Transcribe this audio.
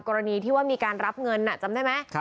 กรณีที่ว่ามีการรับเงินจำได้ไหม